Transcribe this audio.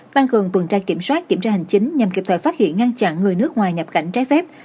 tăng cường tuần tra kiểm soát kiểm tra hành chính nhằm kịp thời phát hiện ngăn chặn người nước ngoài nhập cảnh trái phép